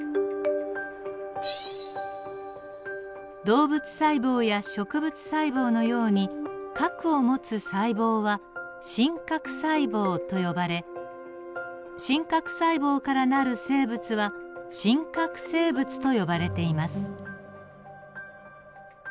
動物細胞や植物細胞のように核を持つ細胞は真核細胞と呼ばれ真核細胞からなる生物は真核生物と呼ばれています。